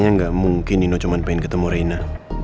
kayaknya gak mungkin nino cuma pengen ketemu reina